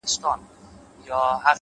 • د جرگې به يو په لس پورته خندا سوه,